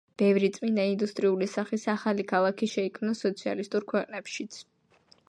ბევრი წმინდა ინდუსტრიული სახის ახალი ქალაქი შეიქმნა სოციალისტურ ქვეყნებშიც.